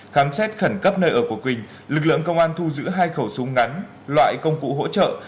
khám xét khẩn cấp nơi ở của quỳnh lực lượng công an thu giữ hai khẩu súng ngắn loại công cụ hỗ trợ